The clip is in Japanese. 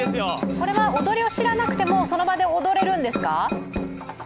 これは踊りは知らなくてもその場で踊れるんですか？